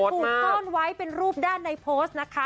ถึงกระกูลก้อนไว้เป็นรูปด้านในโพสต์นะคะ